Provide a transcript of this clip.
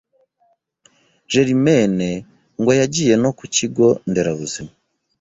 Germaine ngo yagiye no ku kigo nderabuzima